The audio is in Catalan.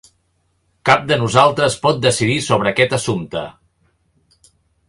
Cap de nosaltres pot decidir sobre aquest assumpte.